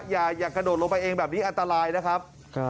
อย่ากระโดดลงไปเองแบบนี้อันตรายนะครับ